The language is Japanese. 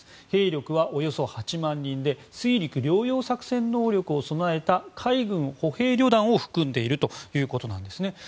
兵力はおよそ８万人で水陸両用作戦能力を備えた海軍歩兵旅団を含んでいるということなんですね。